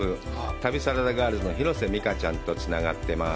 旅サラダガールズの広瀬未花ちゃんとつながってます。